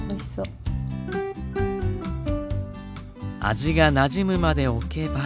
味がなじむまでおけば。